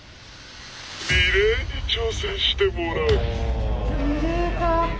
「リレーに挑戦してもらう」。